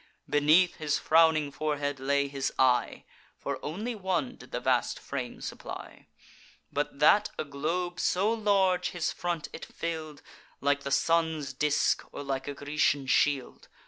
Beneath his frowning forehead lay his eye; For only one did the vast frame supply; But that a globe so large, his front it fill'd, Like the sun's disk or like a Grecian shield.